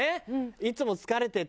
いつも疲れてて。